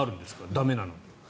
駄目なのに。